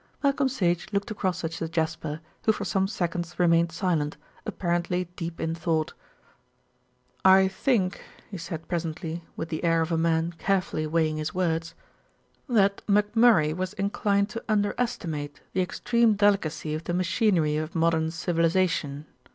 '" Malcolm Sage looked across at Sir Jasper, who for some seconds remained silent, apparently deep in thought. "I think," he said presently, with the air of a man carefully weighing his words, "that McMurray was inclined to under estimate the extreme delicacy of the machinery of modern civilization.